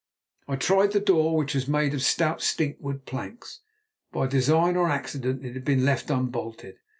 I tried the door, which was made of stout stinkwood planks. By design, or accident, it had been left unbolted.